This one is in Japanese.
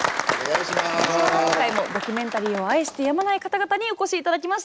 今回もドキュメンタリーを愛してやまない方々にお越し頂きました。